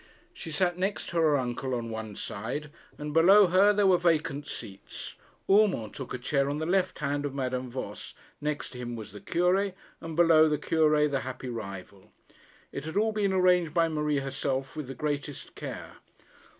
She sat next to her uncle on one side, and below her there were vacant seats. Urmand took a chair on the left hand of Madame Voss, next to him was the Cure, and below the Cure the happy rival. It had all been arranged by Marie herself, with the greatest care.